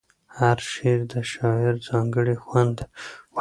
هر شعر د شاعر ځانګړی خوند لري.